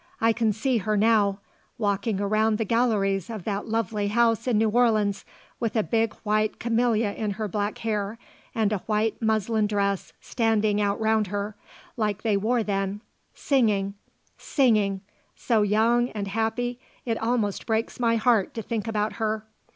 I can see her now, walking round the galleries of that lovely house in New Orleans with a big white camellia in her black hair and a white muslin dress, standing out round her like they wore then; singing singing so young and happy it almost breaks my heart to think about her.